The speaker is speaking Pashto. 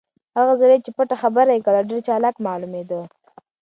هغه سړی چې پټه خبره یې کوله ډېر چالاک معلومېده.